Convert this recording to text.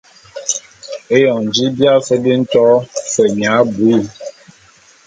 Eyon ji bia fe bi nto fe nya abuii.